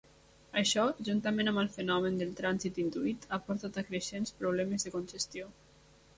Això, juntament amb el fenomen del trànsit induït, ha portat a creixents problemes de congestió.